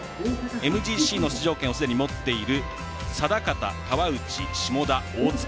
ＭＧＣの出場権をすでに持っている定方、川内下田、大塚。